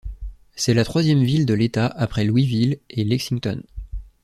C’est la troisième ville de l’État après Louisville et Lexington.